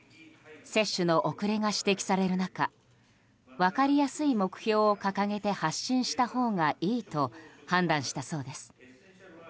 接種の遅れが指摘される中分かりやすい目標を掲げて発信したほうがいいと判断したそうです。